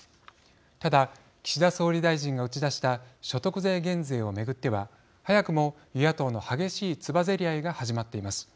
ただ、岸田総理大臣が打ち出した所得税減税を巡っては早くも与野党の激しいつばぜり合いが始まっています。